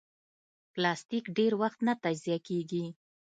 پلاستيک ډېر وخت نه تجزیه کېږي.